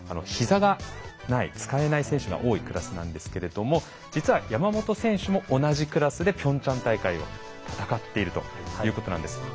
ひざがない使えない選手が多いクラスなんですけれども実は山本選手も同じクラスでピョンチャン大会を戦っているということなんです。